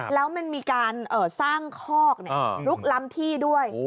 แล้วมันมีการสร้างคอกลุกล้ำที่ด้วย